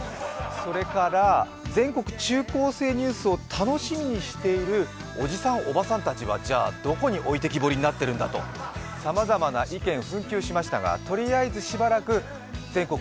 それから、全国中高生ニュースを楽しみにしている、おじさん、おばさんたちは、じゃあ、どこに置いてけぼりになっているんだとさまざまな意見、紛糾しましたが、とりあえずしばらく「全国！